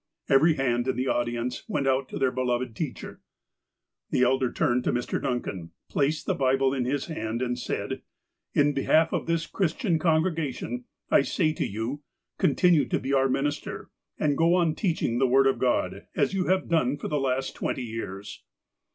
Every hand in the audience went out to their beloved teacher. The elder turned to Mr. Duncan, placed the Bible in his hand, and said : ''In behalf of this Christian congregation, I say to you : Continue to be our minister, and go on teaching the Word of God, as you have done for the last twenty years."